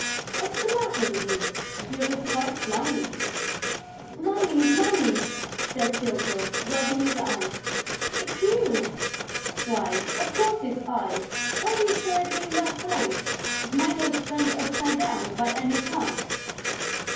What's the matter with you?... You look quite blinded...." "Mummy!... Mummy!" said Tyltyl, rubbing his eyes. "It's you!..." "Why, of course, it's I!... Why do you stare at me in that way?... Is my nose turned upside down, by any chance?"